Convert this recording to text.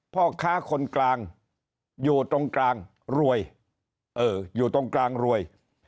พ่อค้าคนกลางอยู่ตรงกลางรวยอยู่ตรงกลางรวย